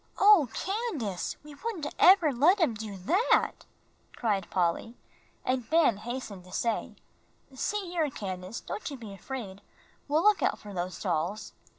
"Oh, Candace, we wouldn't ever let him do that!" cried Polly. And Ben hastened to say, "See here, Candace, don't you be afraid; we'll look out for those dolls."